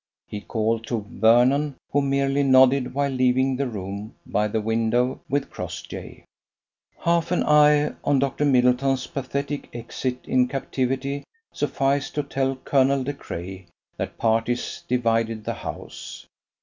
He called to Vernon, who merely nodded while leaving the room by the window with Crossjay. Half an eye on Dr. Middleton's pathetic exit in captivity sufficed to tell Colonel De Craye that parties divided the house.